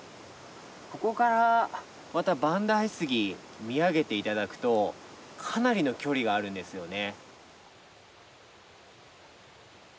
ここからまた万代杉見上げて頂くとかなりの距離があるんですよね。